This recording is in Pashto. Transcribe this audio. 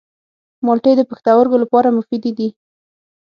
مالټې د پښتورګو لپاره مفیدې دي.